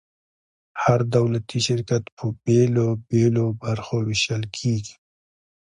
هر دولتي شرکت په بیلو بیلو برخو ویشل کیږي.